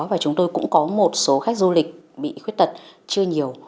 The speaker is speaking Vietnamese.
và chúng tôi cũng có một số khách du lịch bị khuyết tật chưa nhiều